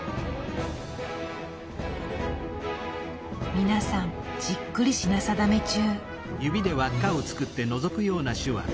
皆さんじっくり品定め中。